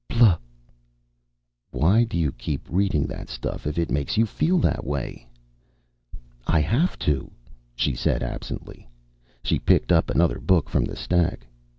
"Bluh!" "Why do you keep reading that stuff, if it makes you feel that way?" "I have to," she said absently. She picked up another book from the stack.